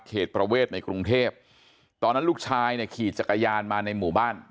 ประเวทในกรุงเทพตอนนั้นลูกชายเนี่ยขี่จักรยานมาในหมู่บ้าน